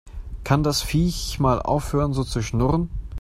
Kann das Viech mal aufhören so zu schnurren?